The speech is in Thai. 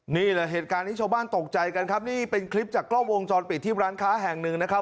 นี่แหละเหตุการณ์ที่ชาวบ้านตกใจกันครับนี่เป็นคลิปจากกล้องวงจรปิดที่ร้านค้าแห่งหนึ่งนะครับ